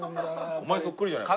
お前そっくりじゃないか。